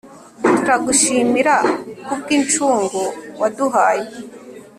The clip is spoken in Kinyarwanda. turagushimira ku bw'incungu waduhaye